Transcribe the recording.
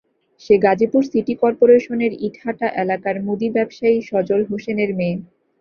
সে Gazipur city করপোরেশনের ইটাহাটা এলাকার মুদি ব্যবসায়ী সজল হোসেনের মেয়ে।